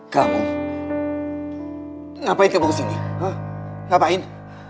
kamu ngapain kamu kesini